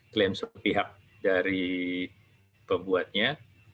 klaim sepihak dari pembuatnya